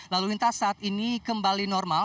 lalu lintas saat ini kembali normal